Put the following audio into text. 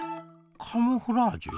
カムフラージュ？